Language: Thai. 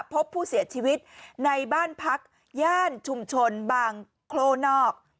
พบผู้เสียชีวิตในบ้านพักย่านชุมชนบางโคล่นอก